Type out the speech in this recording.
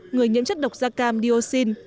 người nhiễm chất độc da cam dioxin